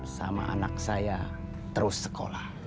sama anak saya terus sekolah